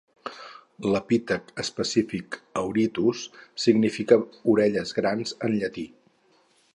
L'epítet específic "auritus" significa "orelles grans" en llatí.